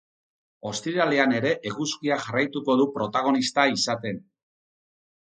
Ostiralean ere eguzkiak jarraituko du protagonista izaten.